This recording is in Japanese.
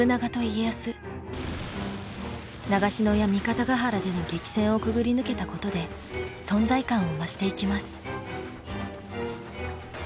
長篠や三方ヶ原での激戦をくぐり抜けたことで存在感を増していきます。